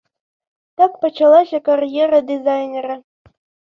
Так пачалася кар'ера дызайнера.